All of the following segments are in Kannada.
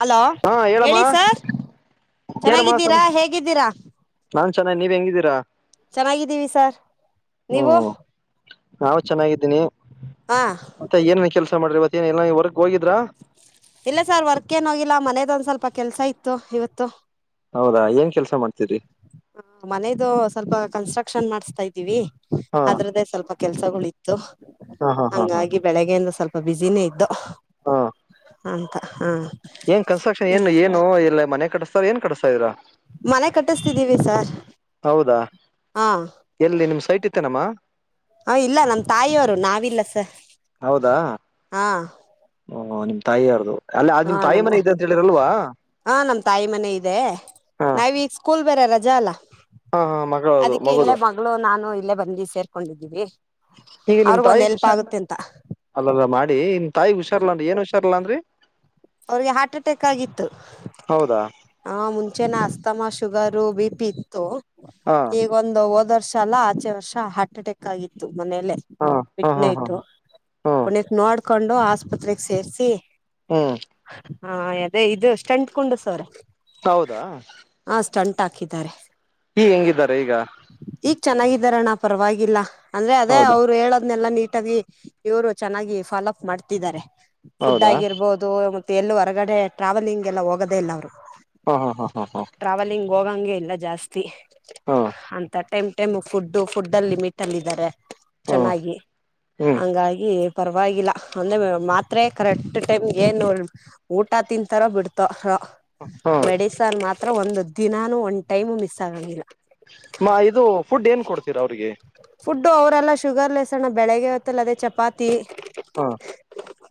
ಹಲೋ ಹಾ ಹೇಳಮ್ಮ ಹೇಳಿ ಸರ್ ಏನಮ್ಮ ಸಮ ಚೆನ್ನಾಗಿದ್ದೀರಾ ಹೇಗಿದ್ದೀರಾ ನಾನ್ ಚೆನ್ನಾಗ ನೀವ್ ಹೆಂಗಿದ್ದೀರಾ ಚೆನ್ನಾಗಿದ್ದೀವಿ ಸರ್ ಹ್ಮ ನೀವು ನಾವು ಚೆನ್ನಾಗಿದ್ದೀನಿ ಹಾ ಮತ್ತೆ ಏನ್ ಕೆಲ್ಸ ಮಾಡ್ರಿವತ್ತೇನ್ ಎಲ್ಲಾ ಹೊರ್ಗೆ ಹೋಗಿದ್ರಾ ಇಲ್ಲ ಸರ್ ವರ್ಕ್ ಏನ ಹೋಗಿಲ್ಲ ಮನದೊಂದ್ ಸ್ವಲ್ಪ ಕೆಲ್ಸ ಇತ್ತು ಇವತ್ತು ಹೌದಾ ಏನ್ ಕೆಲಸ ಮಾಡ್ತಾರೆ ಹ ಮನೇದು ಸ್ವಲ್ಪ ಕನ್ಸ್ಟ್ರಕ್ಷನ್ ಮಾಡ್ಸ್ತಾ ಇದ್ದೀವಿ ಹಾ ಅದ್ರದ್ದೇ ಸ್ವಲ್ಪ ಕೆಲ್ಸಗಳು ಇತ್ತು ಹಾ ಹಾ ಹಾ ಹಾ ಹಂಗಾಗಿ ಬೆಳಗ್ಗೆಯಿಂದ ಸ್ವಲ್ಪ ಬಿಸಿನೇ ಇದ್ದು ಹಾ ಅಂತ ಹ್ಮ್ ಏನ್ ಕನ್ಸ್ಟ್ರಕ್ಷನ್ ಏನು ಏನು ಇಲ್ಲ ಮನೆ ಕಡಿಸತಾರ ಏನ್ ಕಡಸ್ತಾ ಇದ್ರ ಮನೆ ಕಟ್ಟಿಸ್ತಿದ್ದೀವಿ ಸಾರ್ ಹೌದಾ ಹಾ ಎಲ್ಲಿ ನಿಮ್ ಸೈಟ್ ಇತ್ತೇನಮ್ಮ ಹ ಇಲ್ಲ ನಮ್ ತಾಯಿಯವರು ನಾವಿಲ್ಲ ಸ ಹಾ ಹ ನಿಮ್ ತಾಯಿ ಯಾರ್ದು ಅಲ್ಲ ಅ ಹಾ ನಿಮ್ ತಾಯಿ ನಮ್ ತ ಮನೆ ಇದೆ ಅಂತ ಹೇಳಿರಲ್ವಾ ಹಾ ನಮ್ ತಾಯಿ ಮನೆ ಇದೆ ಹಾ ನಾವೀಗ್ ಸ್ಕೂಲ್ ಬೇರೆ ರಜಾ ಅಲ್ಲಾ ಹಾ ಹಾ ಮಗಳದು ಅದಕ್ಕೆ ಮಗದು ಇಲ್ಲೇ ಮಗಳು ನಾನು ಇಲ್ಲೇ ಬಂದ್ವಿ ಸೇರ್ ಕೊಂಡಿದ್ದೀವಿ ಹೀಗ ನಿಮ್ ತಾಯಿ ಹುಷಾರ ಅಲ್ಲಲ್ಲ ಮಾಡ್ ಡೀನ್ ತಾಯಿಗ್ ಹುಷಾರಿಲ್ಲ ಅಂದ್ರಿ ಏನ್ ಹುಷಾರಿಲ್ಲ ಅಂದ್ರಿ ಅವ್ರಿಗೆ ಹಾರ್ಟ್ ಅಟ್ಯಾಕ್ ಆಗಿತ್ತು ಹೌದಾ ಹ ಮುಂಚೆನ ಅಸ್ತಮಸ್ ಶುಗರು ಬಿ ಪಿ ಇತ್ತು ಹಾ ಈಗ್ ಒಂದು ಹೋದರ್ಷ ವರ್ಷ ಅಲ್ಲ ಆಚೆ ವರ್ಷ ಹಾರ್ಟ್ ಅಟ್ಯಾಕ್ ಆಗಿತ್ತು ಮನೆಯಲ್ಲೇ ಹಾ ಹಾ ಮಿಡ್ ಹಾ ಹಾ ನೈಟ್ಪು ಹ್ಮ್ ಪುಣ್ಯಕ್ ನೋಡ್ ಕೊಂಡು ಆಸ್ಪತ್ರೆಗೆ ಸೇರ್ಸಿ ಹ್ಮ ಹಾ ಅದೇ ಇದು ಸಂಟ್ ಕುಂಡುಸ್ ಅವ್ರೆ ಹೌದಾ ತರೆ ಈ ಹೆಂಗಿದ್ದಾರೆ ಈಗ ಚೆನ್ನಾಗಿದ್ದಾರಣ್ಣ ಪರವಾಗಿಲ್ಲ ಅಂದ್ರೆ ಅದೇ ಹೌದಾ ಅವ್ರು ಹೇಳೋದ್ನೆಲ್ಲ ನೀ ನೀಟಾಗಿ ಇವರು ಚೆನ್ನಾಗಿ ಫಾಲೋ ಅಪ್ ಮಾಡ್ತಿದ್ದಾರೆ ಫುಡ್ ಹೌದಾ ಆಗಿರ್ಬೊದ್ ಮತ್ತೆ ಎಲ್ಲೂ ಹೊರ್ಗಡೆ ಟ್ರಾವೆಲಿಂಗ್ ಎಲ್ಲ ಹೋಗದೇ ಇಲ್ಲ ಅವರು ಹಾ ಹಾ ಹಾ ಹಾ ಹಾ ಹೋಗಂಗೆ ಇಲ್ಲ ಜಾಸ್ತಿ ಹಾ ಅಂತ ಟೈಮ್ ಟೈಮ್ ಫುಡ್ ಫುಡ್ ಅಲ್ಲಿ ಮಿಟ್ ಅಲ್ಲಿದ್ದಾರೆ ಹಾ ಚೆನ್ನಾಗಿ ಹ್ಮ್ ಹಂಗಾಗಿ ಪರ್ವಾಗಿಲ್ಲ ಅಂದರೆ ಮಾತ್ರರೆ ಕರೆಕ್ಟ್ ಟೈಮ್ ಏನ್ ಊಟ ತಿಂತಾರೋ ಬಿಡ್ತೋ ರೋ ಹಾ ಮೆಡಿಸನ್ ಮಾತ್ರ ಒಂದ್ ದಿನಾನು ಒಂದ್ ಟೈಮ್ ಮಿಸ್ ಆಗೋದಿಲ್ಲ ಮ ಇದು ಫುಡ್ ಏನ್ ಕೊಡ್ತೀರಾ ಅವ್ರಿಗೆ ಅವ್ರರೆಲ್ಲ ಶುಗರ್ ಲೆಸ್ಣ್ಣ ಬೆಳಗ್ ಹೊತ್ತಲ್ಲ ಅೇ ಚಪಾತಿ ಹಾ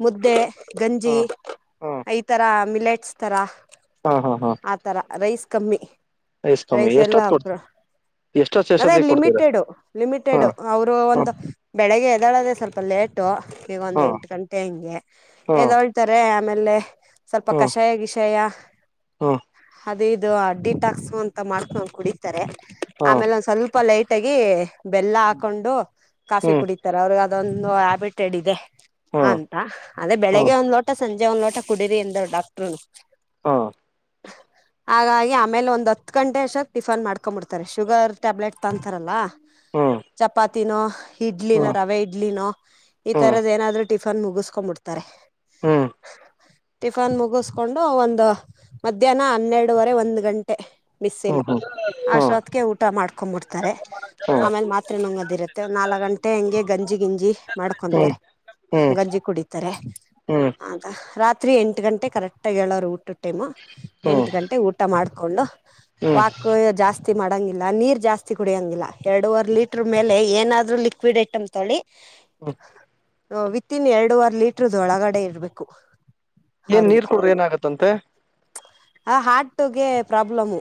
ಮುದ್ದೆ ಗಂಜಿ ಹಾ ಹಾ ಈ ತರ ಮಿಲೆಟ್ಸ್ ಥರ ಹಾ ಹಾ ಹಾ ಆತರ ರೈಸ್ ಕಮ್ಮಿ ಎಷ್ಟ ಸ್ವಾಮಿ ರೈಸ್ ಎಷ್ಟತ್ ಕೊಡ್ತ ಎಲ್ಲ ಎಷ್ಟ ಅದೇ ಲಿಮಿಟೆಡು ಲಿಮಿಟೆಡು ಅವರು ಹಾ ಒಂದು ಬೆಳಗ್ಗೆ ಎದಾಳದೆ ಸ್ವಲ್ಪ ಲೇಟು ಈಗ ಒಂದು ಹಾ ಎಂಟು ಗಂಟೆ ಹಿಂಗೆ ಹಾ ಎದೊಳ್ತಾರೆ ಆಮೇಲೆ ಸ್ವಲ್ಪ ಹಾ ಕಷಾಯ ವಿಷಯ ಹಾ ಅದೇ ಇ ಇದು ಡಿಟಾಕ್ಸ್ ಅಂತ ಮಾಡಕ್ ನ ಕುಡಿತಾರೆ ಹಾ ಆಮೇಲೆ ಒಂದ್ ಸ್ವಲ್ಪ ಸ್ವಲ್ಪ ಲೈಟ್ ಆಗಿ ಬೆಲ್ಲ ಹಾಕೊಂಡು ಕಾಫಿ ಹ್ಮ್ ಕುಡಿತಾರೆ ಅವ್ರ ಅದೊಂದು ಹ್ಯಾಬಿಟೆಡ್ ಇದೆ ಹಾ ಅಂತ ಅದೇ ಹಾ ಬೆಳಿಗ್ಗೆ ಒಂದ್ ಲೋಟಸ್ ಅಟ ಂ ನೋಟ ಕುಡಡಿರಿಂದ್ ಡಾಕ್ಟ್ರು ಹಾ ಹಾಗಾಗಿ ಆಮೇಲೆ ಒಂದ್ ಹತ್ತು ಗಂಟೆ ಅಕ್ ಟಿಫನ್ ಮಾಡ್ಕೊಂಡ್ಂಬಿಡ್ತಾರೆ ಶುಗರ್ ಟ್ಯಾಬ್ಲೆಟ್ ತಂತಾರಲ್ಲ ಹ್ಮ್ ಚಪಾತಿನೋ ಇಡ್ಲಿನೋ ಹ್ಮ್ ರವೆ ಇಡ್ಲಿನೋ ಹ್ಮ್ ಈ ಹ್ಮ್ ತರದ ಏನಾದ್ರು ಟಿಫನ್ ಮುಗಿಸ್ಕೊಂಡ್ಬಿಡ್ತಾರೆ ಹ್ಮ್ ಟಿಫನ್ ಮುಗಸ್ಕೊಂಡು ಒಂದು ಮಧ್ಯಾಹ್ನ ಹನ್ನೆರಡುವರೆ ಒಂದ್ ಗಂಟೆ ಬಿಸ್ಿಲ್ಲ ಹ್ಮ್ ಹ್ಮ್ ಹ್ಮ್ ಹ್ಮ್ ಹ್ಮ್ ಹ್ಮ್ ಆ ಶಾತ್ಗೆ ಊಟ ಮಾಡ್ಕೊ್ಂಬಿಡ್ತವಿ ಅಮೇಲೆ ಮಾತ್ರೆ ನಂಗದಿರುತ್ತೆ ನಾಲಕ್ ಗಂಟೆ ಹೆಂಗೆ ಗಂಜಿ ಗಿಂಜಿ ಮಾಡ್ಕೊಂತಾರೆ ಗಂಜಿ ಕುಡಿತಾರೆ ಹ್ಮ್ ಹ್ಮ್ ರಾತ್ರಿ ಎಂಟ್ ಗಂಟೆಗೆ ಕರೆಕ್ಟಾಗಿ ಹೇಳವ್ರೆ ಊಟದ ಟೈಮ ಹ್ಮ್ ಎಂಟ್ ಗಂಟೆಗೆ ಊಟ ಮಾಡ್ತ ಕೊಂಡು ಹ್ಮ್ ವಾಕು ಜಾಸ್ ಜಾಸ್ತಿ ಮಾಡಂಗಿಲ್ಲ ನೀರ್ ಜಾಸ್ ಕುಡಿಯಂಗಿಲ್ಲ ಎರಡುವರ್ ಲೀಟರ್ ಮೇಲೆ ಏನಾದ್ರು ಲಿಕ್ವಿಡ್ ಐಟಮ್ ತೊಗೋಳಿ ಹ್ಮ ಹ ವಿತ್ತಿನ ಎರಡುವರ್ ಲೀಟ್ರುದ್ ಒಳಗಡೆ ಇರ್ಬೇಕು ಏನ್ ನೀರ್ ಕುಡುದ್ರೆ ಏನಾಗುತ್ತಂತೆ ಆ ಹಾರ್ಟಗೆ ಪ್ರಾಬ್ಲಮು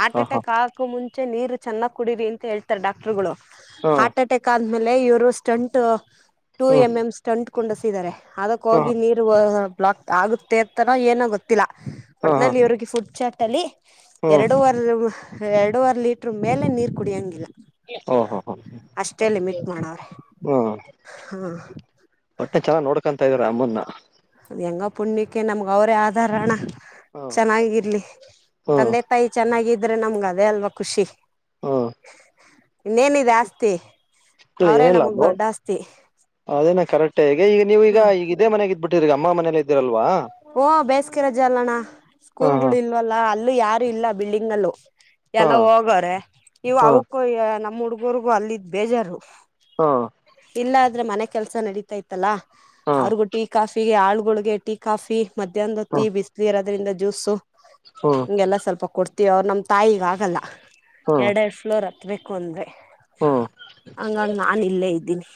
ಹಾರ್ಟ್ ಹ ಹಾ ಅಟ್ಯಾಕ್ ಆಗಕು ಮುಂ ಚೆ ನೀರು ಚೆನ್ನ ಕುಡೀರಿ ಅಂತ ಹೇಳ್ತಾರೆ ಡಾಕ್ಟ್ರುಗಳು ಹ್ಮ್ ಹಾರ್ಟ್ ಅಟ್ಯಾಕ್ ಅಂ ಅಮೇಲೆ ಇವ್ರು ಸ್ಟಂಟ್ ಟು ಹ್ಮ್ ಎಂ ಎಂ ಸ್ಟಂಟ್ ಕುಂಡುಸಿದರೆ ಅದಕ್ ಹಾ ಹೋಗಿ ನೀರು ವಾ ಲಾಕ್ ಆಗುತ್ತೆ ಅಂತಾನೋ ಏನೊ ಹಾ ಹಾ ಒಟ್ನಲ್ಲಿ ಇವರ್ಗೆ ಫುಡ್ ಚೆಕ್ ತಲ್ಲಿ ಹ್ಮ್ ಎರಡುವರ್ರು ಎರಡುವ್ರ್ ಲೀಟರ್ ಮೇಲೆ ನೀರ್ ಕುಡಿಅಂಗಿಲ್ಲ ಓ ಹ ಹ ಮಾಡವ್ರೆ ಹ್ಮ ಹಾ ಒಟ್ಟೆ ಚಲ ನೋಡ ಕಾಣ್ತಾಇದಿರಾ ಅಮ್ಮುನ್ನ ಆದ್ ಹೆಂಗ ಪುಣ್ಯಕ್ಕೆ ನಮ್ಗ ಅವರೇ ಆಧಾರ ಅಣ್ಣ ಹ್ಮ್ ಚೆನ್ನಾಗಿರ್ಲಿ ಹ್ಮ್ ತಂದೆ ತಾಯಿ ಚೆನ್ನಾಗಿದ್ ಆದ್ರೆ ನಮ್ಗ ಅದೇ ಅಲ್ವಾ ಖುಷಿ ಹ್ಮ್ ಇನ್ನೇನಿದೆ ಆಸ್ತಿ ಇಲ್ಲ ಅವ್ರೇ ಏನಿಲ್ಲ ನಮಗ್ ನೋ ದೊಡ್ಡ ಆಸ್ತಿ ಅದೇನ ಕರೆಕ್ಟಗ ಈಗ ನೀವ ಹ್ಮ ಈಗ್ ಇದೇ ಮನೆಗ್ ಇದ್ಬಿಟ್ ಗ ಅಮ್ಮ ಮನೆಲೆ ಇದ್ದಿರಲ್ವ ಒ ಬೇಸಿಗೆ ರಜೆ ಅಲ್ಲಣ್ಣ ಹಾ ಸ್ಕೂಲ್ ಹಾ ಗಳು ಇಲ್ವಲ್ಲ ಅಲ್ ಯಾರು ಇಲ್ಲ ಬಿಲ್ಡಿಂಗ್ ನಲ್ಲು ಹಾ ಎಲ್ಲ ಹೋಗವ್ರೆ ಇವು ಹಾ ಅವಕ್ಕೂ ನಮ್ಮ್ ಹುಡ್ಗ್ ಇವ್ರಗೂ ಅಲ್ಲಿದ್ದ್ ಬೇಜಾರು ಹಾ ಇಲ್ಲ ದ್ ಅಂದ್ರೆ ಮನೆ ಕೆಲಸ ನಡೀತಾತ್ತಲ್ಲಾ ಹಾ ಆ್ರಗೊಟ್ಟಿ ಕಾಫಿಗೆ ಆಳು ಗುಡಗೇಟಿ ಕಾಫಿ ಮಧ್ಯಾಹ್ನದ ಹೊತ್ತಿ ಹ್ಮ್ ಬಿಸಿಲು ಇರೋದ್ರಿಂದ ಜ್ಯೂಸ್ು ಹ್ಮ್ ಹಂಗೆಲ್ಲ ಸ್ವಲ್ಪ ಕೊಡ್ತ ಅವ್ರು ನಮ್ಮ ತಾಯಿಗ ಆಗಲ್ಲ ಹ್ಮ್ ಎರಡು ಎರಡು ಫ್ಲೋರ್ತ್ತ ಕತ್ಬೇಕು ಅಂದರೆ ಹ್ಮ್ ಹಂಗಂಗ ನಾನ ಇಲ್ಲೇ ಇದ್ದೀನಿ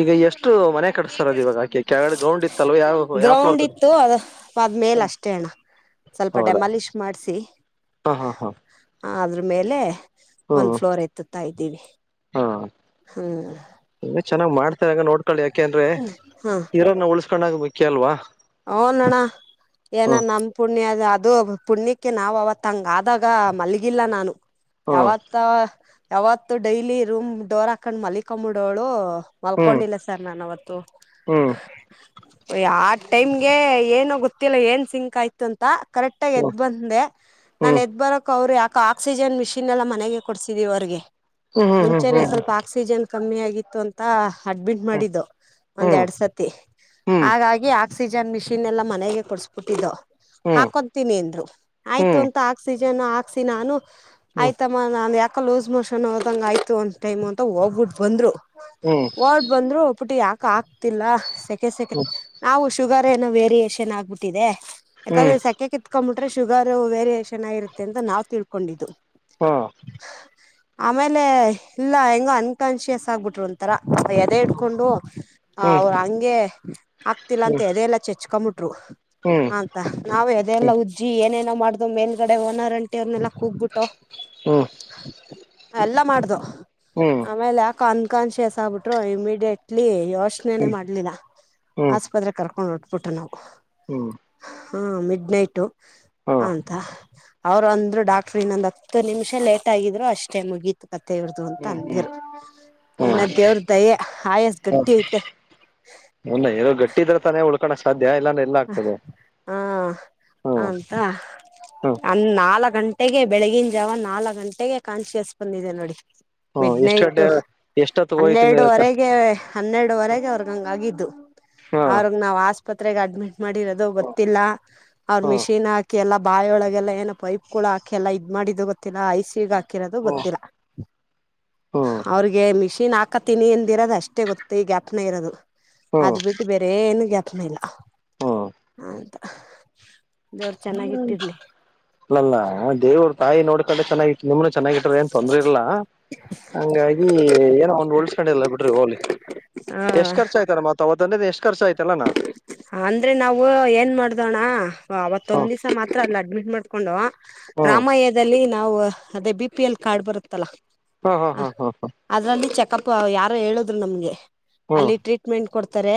ಈಗ ಎಷ್ಟು ಮನೆ ಕಡಿಸ್ತಾರದು ಇವಾಗ ಆಕೆ ಕೆಳಗಡೆ ಗೌಂಡ್ ಇತ್ತಲ್ವ ಯಾವ ಯಾವ ಫ್ಲೋರ್ ಗ್ರೌಂಡ್ ಕಡೆ ಇತ್ತು ಅದು ಅದ್ಮೇಲೆ ಅಷ್ಟೇ ಅಣ್ಣ ಸ್ವಲ್ಪ ಹೌದಾ ಡೆಮಾಲಿಶ್ ಮಾಡ್ಸಿ ಹಾ ಹಾ ಹಾ ಆದ್ರ ಮೇಲೆ ಒಂದ್ ಹ್ಮ್ ಫ್ಲೋರ್ ತ್ತತ ಇದ ಇ ಹಾ ಹ್ಮ್ ಇನ್ನು ಚೆನ್ನಾಗ್ ಮಾಡ್ ನೋಡ್ಕೊಳ್ಳಿ ಯಕೆ ಹದ್ರೆ ಇರೋರ್ನ ಉಳಿಸಸ್ಕೊಂಡ್ಗ್ಬೇಕು ಕೆಲ್ವಾ ಹಓೋಣ್ಣ ಏನ ನಮ ಪುಣ್ಯದ ಅದು ಪುಣ್ಯಕ್ಕೆ ನಾವ್ ಅವತ್ ಹಂಗ ಆದಾಗ ಮಲ್ಗಿಲ್ಲ ನಾನು ಹ್ಮ್ ಯಾವತ್ತ ಯಾವತ್ತು ಡೈಲಿ ರೂಮ್ ಡೋರ್ ಹಾಕೊಂಡ್ ಮಲ್ಲಿಕಂಬಡೋಳು ಹ್ಮ್ ಮಲ್ಕೊಂಡಿಲ್ಲ ಸರ್ ನಾನವತ್ತು ಹ್ಮ್ ಒ ಆ ಟೈಮ್ಗೆ ಏನು ಗೊತ್ತಿಲ್ಲ ಏನ್ ಸಿಂಕ ಆಯ್ತು ಅಂತ ಕರೆಕ್ಟ್ ಆ ಹ್ಮ್ ಎದ್ ಬಂದೆ ನಾ ಹ್ಮ್ ಎದ್ ಬರಕ ಅವರು ಯಾ ಆಕ್ಸಿಜನ್ ಮಿಷಿನ್ ಎಲ್ಲ ಮನೆಗೆ ಕೊಡ್ಸಿದೀವಿ ಅವರಿಗೆ ಹ್ಮ್ ಹ್ಮ್ ಹ್ಮ್ ಮುಂಚೆನೆ ಹ್ಮ್ ಸ್ವಲ್ಪ ಆಕ್ಸಿಜನ್ ಕಮ್ಮಿ ಆಗಿತ್ತು ಅಂತ ಅಡ್ಮಿಟ್ ಹ್ಮ್ ಮಾಡಿದ್ದು ಒಂದ್ ಹ್ಮ್ ಎರಡ್ ಸತಿ ಹಾಗಾಗಿ ಜಾನ್ ಮಿಷಿನ್ ಎಲ್ಲ ಮನೆಗೆ ಕೊಡಸ್್ಬಿಟ್ಟಿದ್ದು ಹ್ಮ್ ಹಕ್ಕೋತೀನಿ ಅಂದ್ರು ಆಯ್ತು ಹ್ಮ್ ಅಂತ ಆಕ್ಸಿಜನ್ ಜನ್ ಹಾಕ್ಸಿ ನಾನು ಹ್ಮ್ ಆಯ್ತಮ್ಮ ನಾನು ಯಾ ಕೋ ಲೂಸ್ ಮೋಷನ್ ಆದಂಗ ಆಯ್ತು ಒಂದು ಟೈಮ್ ಅಂತ ಹೋಗ್ಬಿಟ್ ಬಂದ್ರು ಹ್ಮ್ ಓಡ್ ಬಂದ್ರು ಪುಟಿ ಯಾ ಆಗ್ತಿಲ್ಲ ಸೆಕ್ ಸೆಕೆ ಸೆಕೆ ಹ್ಮ್ ಆ ಉಷ್ ಶುಗರ್ ಏನೋ ವೇರಿಯೇಷನ್ ಆಗ್ಬಿಟ್ಟಿದೆ ಹ್ಮ್ ಎಕಂದ್ರೆ ಸೆಕೆ ಕಿತ್ಕೊ ಶುಗರ್ ವೇರಿಯೇಷನ್ ಆಗಿರುತ್ತೆ ಅಂತ ನಾವು ತಿಳ್ಕೊಂಡಿದ್ದು ಹಾ ಆಮೇಲೆ ಇಲ್ಲ ಹೆಂಗ ಅನ್ಕಾನ್ಷಿಯಸ್ ಆಗ್ಬಿಟ್ರು ಒಂತರ ಎದೆ ಇಡ್ಕೊಂಡು ಹ್ಮ್ ಅವರು ಹಂಗೆ ಆಗ್ತಿಲ್ಲ ಹ್ಮ್ ಅಂತ ಚೆಚ್ಚ್ ಕಮುಟ್ ಹ್ಮ್ ಅಂತ ನಾವ ಎದೆ ಎಲ್ಲಾ ಉಜ್ಜಿ ಏನೇನು ಮಾಡುದು ಮೇಲ್ಗಡೆ ಒನ್ರರ್ ಆಂಟಿ ಅವ್ರನ್ನಲ್ಲ ಕುಗ್ಬಿಟ್ಟು ಹ್ಮ್ ಹ್ಮ್ ಎಲ್ಲ ಮಾಡ್ದ ಹ್ಮ್ ಆಮೇಲೆ ಯಾಕ ಕನ್ ಕಾನ್ ಶೇಸ್ ಆಗ್ಬಿಟ್ರು ಇಮಿಡಿಯೇಟ್ಲಿ ಯೋಚನೆನೆ ಹ್ಮ್ ಮಾಡ್ಲಿಲ್ಲ ಹ್ಮ್ ಕರ್ಕೊಂಡ್ಡೋಬಿಟ್ಟ ನಾವು ಹ್ಮ್ ಹಾ ಮಿಡ್ ನೈಟು ಹಾ ಹಂತ ಅವ್ರು ಅಂದ್ರು ಡಾಕ್ಟ್ರು ಇನ್ನೊಂದು ಹತ್ತು ನಿಮಿಷ ಲೇಟ್ ಆಗಿದ್ರು ಅಷ್ಟೇ ಮುಗೀತು ಕಥೆ ಇರದು ಅಂತ ಹ್ಮ್ ಹ್ಮ್ ಅಂದಿರು ಏನ ಹ್ಮ್ ದೇವ್ರ ದಯ ಆಯಾಸ ಗಟ್ಟಿ ಐತೆ ಟ್ಟಿ ಇದ್ರ ತಾನೇ ಉಳ್ಕ ಸಾಧ್ಯ ಇಲ್ಲಾಂದ್ರೆ ಎಲ್ಲ ಆಗ್ತದೆ ಹ ಹ್ಮ್ ಅಂತ ಹ್ಮ್ ಅನ್ ನಾಲ ಗಂಟೆಗೆ ಬೆಳಿಗಿನ ಜಾವ ನಾಲ್ಕು ಗಂಟೆಗೆ ಕಾನ್ಶಿಯಸ್ ಬಂದಿದೆ ನೋಡಿ ಹ್ಮ್ ಮಿಡ್ ಎಷ್ಟ್ ನೈಟ್ ಗಂಟೆ ಎಷ್ಟೊತ್ತು ಹೋಯ್ತೀನಿ ಹ್ಮ ಹನ್ನೆರಡುವರೆಗೆ ಹನ್ನೆರಡುವರೆಗೆ ಅವ್ರಗ ಹಂಗ ಆಗಿದ್ದು ಹ್ಮ ಅವ್ರಗ್ ನಾವ್ ಆಸ್ಪತ್ರೆಗೆ ಅಡ್ಮಿಟ್ ಮಾಡಿರೋದು ಗೊತ್ತಿಲ್ಲ ಅವ್ರು ಹ್ಮ್ ಮಿಷಿನ್ ಹಾಕಿ ಎಲ್ಲ ಬಾಯೊಳಗೆ ಎಲ್ಲ ಏನ ಪೈಪಗಳು ಹಾಕಿ ಎಲ್ಲ ಇದ್ ಮಾಡಿದ ಗೊತ್ತಿಲ್ಲ ಐ ಸಿಗ್ ಹಾಕಿ ಹಾಕಿರದು ಹ್ಮ್ ಗೊತ್ತಿಲ್ಲ ಹ್ಮ್ ಅವ್ರಿಗೆ ಮಿಷಿನ್ ಹಾಕ ಅಕ್ಕತಿನಿ ಎಂದಿರೋದು ಅಷ್ಟೇ ಗೊತ್ತ ಈ ಗ್ಯಾಪ್ನ ಇರೋದು ಹ್ಮ್ ಅದ್ ಬಿಟ್ಟು ಬೇರೆ ಏನು ಗಾಪ್ನ ಇಲ್ಲ ಅಂತ ದೇವ್ರು ಚೆನ್ನಾಗಿಟ್ಟಿರ್ಲಿ ಇಲ್ಲಲ್ಲ ದೇವ್ರ ತಾಯಿ ನೋಡ್ ಕಡೆ ಚೆನ್ನಗಿತ್ ನಿಮ್ನೆ ಚೆನ್ನಾಗಿಟ್ರ ಏನ್ ತೊಂದ್ರೆ ಇಲ್ಲ ಹಂಗಾಗಿ ಏನೋ ಒನ್ ಹೂಳುಳ್ಸ್ಕೊಂಡಿಲ್ಲ ಬಿಡ್ರಿ ಹೋಗಲಿ ಹ ಎಷ್ಟ್ ಖರ್ಚು ಆಯ್ತಾರ ಮತ್ತ ಅವತ್ ದನ್ನೆದೆ ಎಷ್ಟು ಖಚ್ಚು ಆಯುತ್ ಅಂದ್ರೆ ನಾವು ಏನ್ ಮಾಡ್ದೋಣ ಅವತ್ ಹ್ಮ್ ತೊಂದಿಸ ಮಾತ್ರ ಅಡ್ಮಿಟ್ ಮಾಡಕೊಂಡ ವಾ ಹ್ಮ್ ರಾಮಯ್ಯದಲ್ಲಿ ನಾವು ಅದೇ ಬಿ ಪಿ ಎಲ್ ಕಾರ್ಡ್ ಬರುತ್ತಲ್ಲಾ ಹಾ ಹಾ ಹಾ ಹಾ ಹಾ ಪಪ್ಪ ಯಾರೋ ಹೇಳುದ್ರು ನಮ್ಗೆ ಅಲ್ಲಿ ಟ್ರೀಟ್ಮೆಂಟ್ ಕೊಡ್ ತರೆ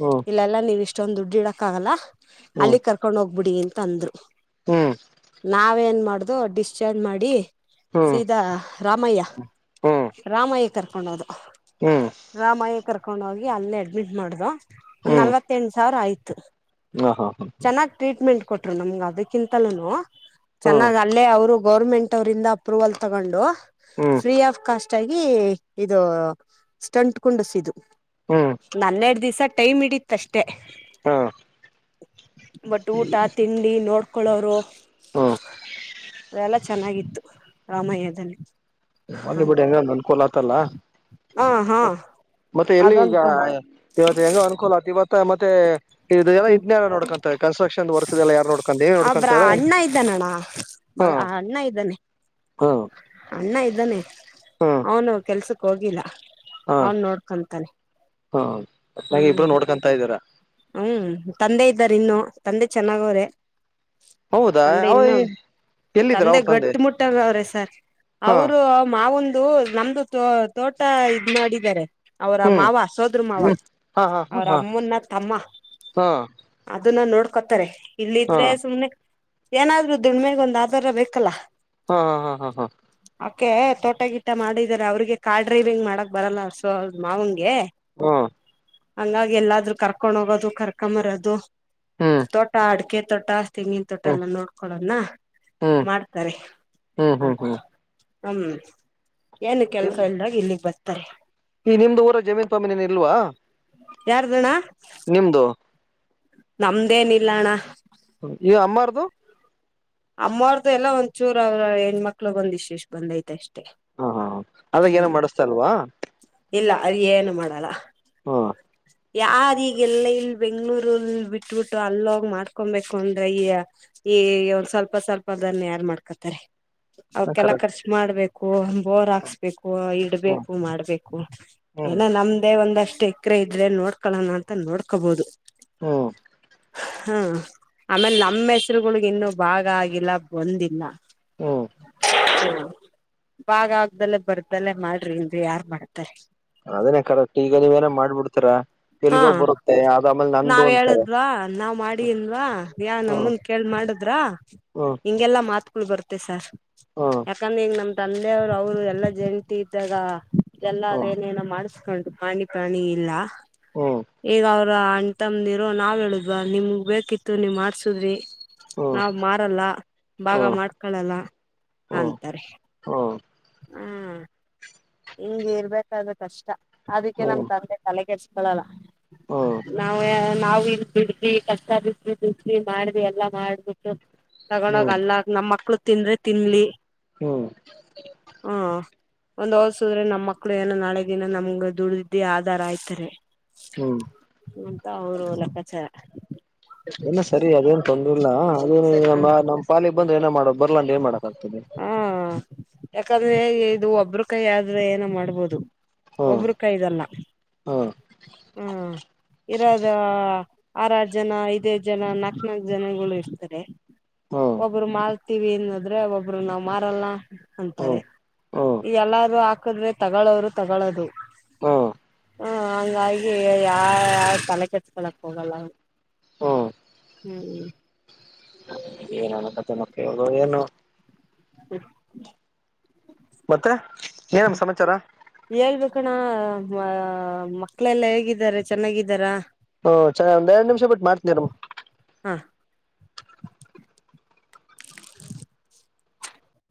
ಬೂಹ್ ಇಲ್ಲೆಲ್ಲಾ ನೀವು ಇಷ್ಟೊಂದ ದುಡ್ ಇಡಕ್ ಆಗಲ್ಲ ಅಲ್ಲಿ ಕರ್ಕೊಂಡ್ ಹೋಗ್ಬುಡಿ ತಂದ್ರೂ ಹ್ಮ್ ನಾವೇನ್ ಮಾಡು ಅದು ಡಿಸ್ಚಾರ್ಜ್ ಮಾಡಿ ಹ್ಮ್ ಸೀದಾ ರಾಮಯ್ಯ ಹ್ಮ್ ರಾಮಯ್ಯ ಕರ್ಕೊಂಡೋದ ಹ್ಮ್ ಹ್ಮ್ ರಾಮಾಯಕರ್ ಕರ್ಕೊಂಡ್ ಹೋಗಿ ಅಲ್ಲೇ ಅಡ್ಮಿಟ್ ಮಾಡ್ವೊ ಹ್ಮ್ ನಾಲ್ವಂತೆಟ್ಟು ಸಾವ್ರ ಆಯ್ ತ್ ಹಾ ಹಾ ಹಾ ಹ್ಮ ಕೊಟ್ರು ನಮ್ಗೆ ಅದಕ್ಕಿಂತಲೂನು ಹ್ಮ್ ಚೆನ್ನಾಗ್ ಅಲ್ಲೇ ಅವ್ರು ಗೌರ್ಮೆಂಟ್ ಅವ್ರಿಂದ ಅಪ್ರೂವಲ್ ತಗೊಂಡು ಹ್ಮ್ ಫ್ರೀ ಆಫ್ ಕಾಸ್ಟ್ ಅಷ್ಟಾಗಿ ಇದು ಸ್ಟಂಟ್ ಕೊಂಡುಸಿದ್ದು ಹ್ಮ್ ನನ್ನೆರಡ್ ದಿವ್ಸ ಟೈಮಿಡಿತ್ ಕಷ್ಟೇ ಹಾ ಎ ಬಟ್ ಊಟ ತಿಂಡಿ ನೋಡ್ಕಳೋರು ಹ್ಮ್ ಅವೆಲ್ಲ ಚೆನ್ನಾಗಿತ್ತು ರಾಮಯದಲ್ಲಿ ಹೋಗ್ಲಿ ಬಿಡಿ ಹೆಂಗ ಒಂದ್ ಅನುಕೂಲ ಆತಲ್ಲ ಹಾ ಹಾ ಮತ್ತೆ ಎಲ್ಲಿ ಈಗ ಅದೊಂದು ಇವತ್ತು ಹೆಂಗ ಅನುಕೂಲ ಆ ಇವತ್ ಮತ್ತೆ ಇಲ್ಲ ಹ್ಮ್ ಇದನ್ನಲ್ಲ ನೋಡ್ಕೊಂತ ಕನ್ಸ್ಟ್ರಕ್ಷನ್ ವರ್ಕ್ ಯಾರು ನೋಡ್ಕ ಏನ್ ಒಬ್ರ ನೋಡ್ಕೊಂತಲ್ಲ ಅಣ್ಣ ಇದ್ದಾನಣ್ಣ ಹಾ ಮಗ ಅಣ್ಣ ಇದ್ದಾನೆ ಹಾ ಅಣ್ಣ ಇದ್ದಾನೆ ಹಾ ಹೌನು ಕೆಲ್ಸ ಹೋಗಿಲ್ಲ ಹಾ ಅವನ್ ನೋಡ್ಕೊಂತಾನೆ ಹಾ ಒಟ್ನಾಗಿ ಇಬ್ರು ಹ್ಮ್ ನೋಡ್ಕೊಂತಾ ಇದ್ದೀರಾ ಹ್ಮ್ ತಂದೆ ಇದ್ದಾರೆ ಇನ್ನು ತಂದೆ ಚೆನ್ನಾಗವ್ರೆ ಹೌದಾ ತಂದೆ ಅವ ಇನ್ನು ಆ ಎಲ್ಲಿದ್ದರ ಅವ್ರ ತಂದೆ ಗಟ್ಟ ಮುಟ್ಟಾಗ ಅವ್ರೆ ಹಾ ಅವರು ಮ ನಾವೊಂದು ನಮ್ದು ತೋ ತೋಟ ಇದ ಮಾಡಿದ್ದಾರೆ ಅವರ ಹ್ಮ್ ಮಾವ ಸೋದ್ರ ಮಾವ ಹ್ಮ್ ಹಾ ಹಾ ಹಾ ಅವರ ಹಾ ಅಮ್ಮನ ತಮ್ಮ ಹಾ ಅದನ್ನ ನೋಡ ಕೊತ ರೆ ಹಾ ಇಲ್ಲಿದ್ರೆ ಸುಮ್ನೆ ಏನಾದ್ರೂ ಧೂಡ್ಮೆಗೆ ಒಂದ್ ಆಧಾರ ಬೇಕಲ್ಲಾ ಹಾ ಹಾ ಹಾ ಹಾ ಹಾ ಕೆ ತೋಟಗೀಟ ಮಾಡಿದರೆ ಅವ್ರಿಗೆ ಕಾರ್ ಡ್ರೈವಿಂಗ್ ಮಾಡಕ್ ಬರಲ್ಲ ಸೊ ಮಾವನ್ಗೆ ಹಾ ಹಂಗಾಗಿ ಎಲ್ಲಾದ್ರು ಕರ್ಕೊಂಡ್ ಹೋಗೋದು ಕರ್ಕೊಂಬರೋದು ಹ್ಮ್ ತೋಟ ಅಡಿಕೆ ತಟಾ ತೆಂಗಿನ ತೋಟ ಹ್ಮ್ ಎಲ್ಲ ನೋಡ್ಕೊಳನ್ನ ಮಾಡ್ತಾರೆ ಹ್ಮ್ ಹ್ಮ್ ಹ್ಮ್ ಹ್ಮ ಏನು ಕೆಲ್ಸ ಹ್ಮ್ ಇಲ್ದಾಗ ಇಲ್ಲಿಗ್ ಬರ್ ತ್ತಾಎ ಈ ನಿಮ್ದ್ ಊರಗ ಜಮೀನು ಪಾಮಿನೆನು ಇಲ್ವಾ ಯಾರ್ದ ಅಣ ನಿಮ್ದು ನಮ್ದೇನ್ ಇಲ್ಲ ಅಣ ಈ ಅಮ್ಮಾರದುು ಅಮ್ಮವ್ರ್ದು ಎಲ್ಲ ಒಂದ್ ಚೂರ ಅವ್ರ ಹೆಣ್ ಮಕ್ಳು ಒಂದು ಇಷ್ಟು ಇಷ್ಟು ಬಂದೈತ ಅಷ್ಟ್ ಹಾ ಹಾ ಅದಾಗ ಏನೋ ಮಾಡಿಸ್ತ ಇಲ್ವಾ ಅದ ಏನು ಮಾಡಲ್ಲ ಹಾ ಯಾರೀಗ ಎಲ್ಲ ಇಲ್ ಬೆಂಗ್ಳೂರಲ್ಲಿ ಬಿಟ್ಬಿಟ್ಟು ಅಲ್ಲೋಗ ಮಾಡ್ಕೊಬೇಕೊಂಡ್ರೆ ಈ ಈ ಒಂದ ಸ್ವಲ್ಪ ಸ್ವಲ್ಪ ಅದನ್ನ ಯಾರ್ ಮಾಡ್ಕೊತಾರೆ ಅವಕ್ಕೆಳ ಕರೆಕ್ಟ್ ಖರ್ಚು ಮಾಡ್ಬೇಕು ಬೋರ್ ಹಾಕ್ಸ್ಬೇಕು ಹ್ಮ್ ಇಡ್ಬೇಕು ಮಾಡ್ಬೇಕು ಹ್ಮ್ ಎಲ ನಮ್ದೇ ಒಂದಷ್ಟ ಟೆಕ್ ಎಕ್ರರೆ ಇದ್ರೆ ನೋಡ್ಕೊಳ್ಳೋಣ ಅಂತ ನೋಡ್ಕೋಬಹುದು ಹ್ಮ್ ಹಾ ಆಮೇಲೆ ನಮ್ಮ ಹೆಸರುಗಳಿಗಿನ್ನು ಇನ್ನುೂ ಭಾಗ ಆಗಿಲ್ಲ ಬಂದಿಲ್ಲ ಹ್ಮ್ ಹ್ಮ ಬಾಗ ಆಗ್ದಲೆ ಬರ್ದಲೇ ಮಾಡ್ರಿ ಅಂದ್ರೆ ಯಾರ್ಮಡತಾರೆ ಅದೇನೋ ಕರೆಕ್ಟ್ ಈಗ ನೀವೇನೋ ಹಾ ಅದ ಆಮೇಲೆ ನಂದು ನಾವ್ ಅಂತಾರೆ ಹೇಳದ್ವಾ ನಾವ್ ಮಾಡಿ ಅಂದ್ವ ಯ ಹ್ಮ್ ನಮ್ಮನ್ ಕೇಳ್ಮಾಡುದ್ರಾ ಹ್ಮ್ ಹಿಂಗೆಲ್ಲಾ ಮಾತ್ ಳ್ ಬರುತ್ತೆ ಸರ್ ಹ್ಮ್ ಯಾಕಂದ್ರಿಗ್ ನಮ್ ತಂದ್ ವ್ರ್ ಅವ್ರು ಎಲ್ಲಾ ಜಂಟಿ ಇದ್ದಾಗ ಎಲ್ಲ ಹ್ಮ್ ಅದೇನೇನೊ ಮಾಡ್ಸ್ ಕೊಂಡ್ ಪಾಣಿ ಪ್ರಾಣಿ ಲ್ಲಾ ಹ್ಮ್ ಈಗವ್ರ್ ಅಣ್ ತಮ್ದಿರೋ ನಾವ್ ಹೇಳುದ್ವ ನಿಮಗ್ಬೇಕಿತ್ತು ನೀವ್ ಮಾಡ್ಸುದ್ರಿ ಹ್ಮ್ ಹ್ಮ್ ನಾವ್ ಮಾರಲ್ಲ ಭಾಗ ಹ್ಮ್ ಮಾಡ್ಕಳಲ್ಲ ಹ್ಮ್ ಅಂತಾರೆ ಹ್ಮ್ ಹ್ಮ್ ಹ್ಮ್ಮ್ ಇಂಗಿರ್ಬೇಕಾದ್ರೆ ಕಷ್ಟ ಅದಕ್ಕೆ ಹ್ಮ್ ನಮ್ಮಂದೆ ತಲೆ ಕೆಡ್ಸ್ ಕೊಳಲ್ಲ ನಾವ್ಯಾ ನಾವಿಡ್ದಿದ್ವಿ ಕಷ್ಟ ಬಿದ್ಬಿಟಿದ್ವಿ ಎಲ್ಲಾ ಮಾಡ್ಬಿಟ್ಟು ಹ್ಮ್ ತಗೊಂಡೋಗಲ್ಲಾಕ್ ನಮ್ಮಕ್ಳು ತಿಂದ್ರೆ ತಿನ್ಲಿ ಹ್ಮ್ ಒಂದೋಸ್ ದ್ರೆ ನಮ್ಮಕ್ಕ್ಳು ಏನೋ ನಾಳೆ ದಿನ ನಮ್ಗ ದುಡ್ಡಿ ಆಧಾರ ಆಯ್ತಾರೆ ಹ್ಮ್ ಅಂತ ಅವ್ರು ಲೆಕ್ಕಾಚಾರ ಏನೋ ಸರಿ ಅದೇನ್ ತೊಂದ್ರಿಲ್ಲಾ ಹಮ್ ಹ ನಮ್ಮ ನಂಪಾಲಿಗ್ ಬಂ ಏನೋ ಮಾಡದ್ ಬರ್ಲ ಅಂದ್ರ್ ಎಮ್ಮಾಡದ್ ಬತ್ತದೆ ಹಾ ಯಾಕಂದ್ರೆ ಇದು ಒಬ್ಬ್ರುಕೈಯಾದ್ರೆ ಏನೋ ಮಾಡ್ಬೋದು ಹ್ಮ್ ಒಬ್ರುಕೈದಲ್ಲ ಹ್ಮ್ ಹ್ಮ್ ಇರೋದ ಆರಾರ್ಜನಾ ಐದೈದ್ಜನ ನಾಕ್ನಾಕ್ಜನಗಳು ಇರ್ತಾರೆ ಹ್ಮ್ ಒಬ್ರು ಮಾಲ್ತಿವಿ ಅನ್ನದ್ರೆ ಒಬ್ ಒಬ್ರು ನಾವ್ ಮಾರಲ್ಲ ಅಂತಾರೆ ಹ್ಮ್ ಹ್ಮ್ ಎಲ್ಲಾರೂ ಹಾಕದ್ರೆ ತಗಳವ್ರು ತಗಳದು ಹ್ಮ್ ಹ ಅಂಗಾಗಿ ಯಾಯಾರ್ ತಲೆ ಕೆಡ್ಸ್ಕೊಳಕ್ಕೊಗಲ್ಲ ಹ್ಮ್ ಹ್ಮ್ ಏನೇನೋ ಕತೇನಪ್ಪಾ ಇವ್ರ್ದು ಏನೋ [unintelligible] ಮತ್ತೆ ಹ್ಮ ಏನಮ್ಮ ಸಮಾಚಾರ ಹೇಳ್ಬೇಕಣ ಮ ಮಕ್ಳೆಲ್ಲಾ ಹೇಗಿದ್ದಾರೆ ಚೆನ್ನಾಗಿದ್ದಾರ ಹಓ ಚೆನ್ನ ಒಂದ್ ಎರಡ್ ನಿಮಿಷ ಬಿಟ್ಟು ಮಾಡ್ತನರ ಹಾ